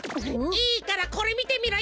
いいからこれみてみろよ！